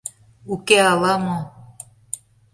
— Уке ала-мо.